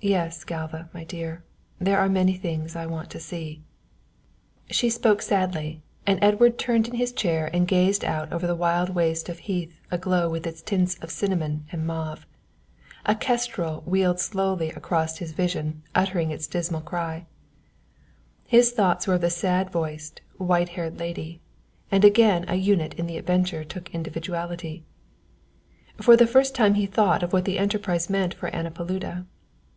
"Yes, Galva, my dear, there are many things I want to see." She spoke sadly, and Edward turned in his chair and gazed out over the wild waste of heath aglow with its tints of cinnamon and mauve. A kestrel wheeled slowly across his vision uttering its dismal cry. His thoughts were of the sad voiced, white haired lady and again a unit in the adventure took individuality. For the first time he thought of what the enterprise meant for Anna Paluda.